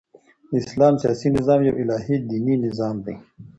د اسلام سیاسي نظام یو الهي دیني نظام دئ.